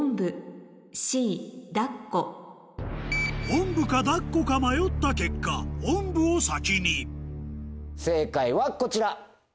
「おんぶ」か「だっこ」か迷った結果「おんぶ」を先に正解はこちら。